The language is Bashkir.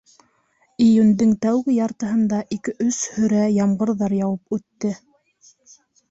Июндең тәүге яртыһында ике-өс һөрә ямғырҙар яуып үтте.